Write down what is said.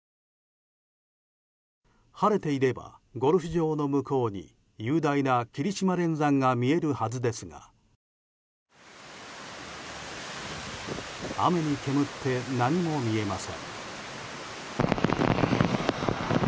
晴れていればゴルフ場の向こうに雄大な霧島連山が見えるはずですが雨に煙って何も見えません。